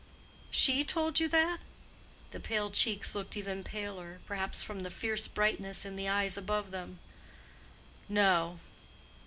"She told you that?" The pale cheeks looked even paler, perhaps from the fierce brightness in the eyes above them. "No.